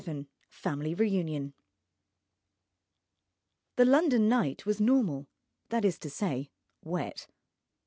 VII FAMILY REUNION The London night was normal: that is to say, wet.